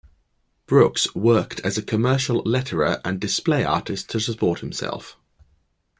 Brooks worked as a commercial letterer and display artist to support himself.